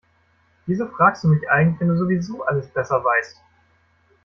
Wieso fragst du mich eigentlich, wenn du sowieso alles besser weißt?